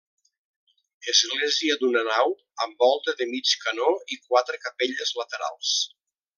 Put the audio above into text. Església d'una nau, amb volta de mig canó i quatre capelles laterals.